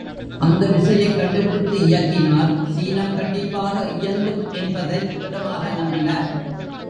அந்த விசையைக் கண்டுபிடித்து இயக்கினால் சீனம் கண்டிப்பாக இயங்கும் என்பதைத் திடமாக நம்பினார்.